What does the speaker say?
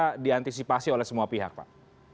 bisa diantisipasi oleh semua pihak pak